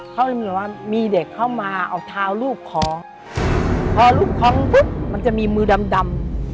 พอลุกคล้องปุ๊บมันจะมีมือดำ